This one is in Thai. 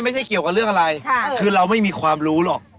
เกี่ยวกับเรื่องอะไรคือเราไม่มีความรู้หรอก